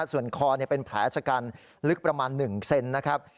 ส่วนคอเนี่ยเป็นแผลชะกันลึกประมาณหนึ่งเซนนะครับ